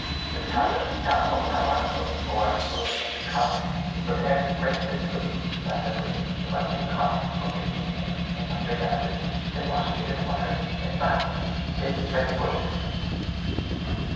This powder, now called pyroxyle, or fulminating cotton, is prepared with great facility by simply plunging cotton for fifteen minutes in nitric acid, then washing it in water, then drying it, and it is ready for use."